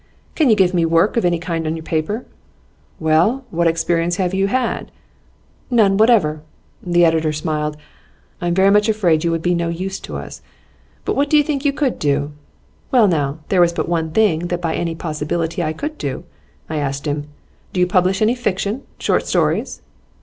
"Can you give me work of any kind on your paper?" "Well, what experience have you had?" "None whatever." The editor smiled. "I'm very much afraid you would be no use to us. But what do you think you could do?" Well now, there was but one thing that by any possibility I could do. I asked him: "Do you publish any fiction short stories?"